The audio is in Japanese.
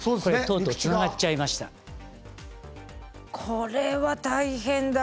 これは大変だ。